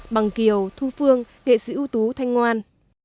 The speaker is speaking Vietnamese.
bằng kiều thu phương nghệ sĩ ưu tú thanh ngoan